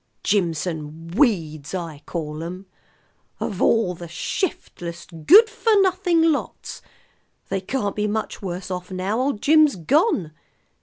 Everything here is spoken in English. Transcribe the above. "Jimson weeds I call 'em. Of all the shiftless, good for nothing lots! They can't be much worse off now old Jim's gone."